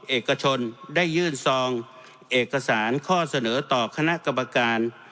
เอกชนได้ยื่นซองเอกสารข้อเสนอต่อคณะกรรมการ